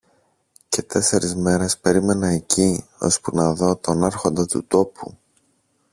Και τέσσερεις μέρες περίμενα εκεί, ώσπου να δω τον Άρχοντα του τόπου.